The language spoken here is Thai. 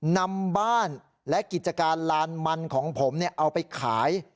นำบ้านและกิจการลานมันของผมเอาไปขาย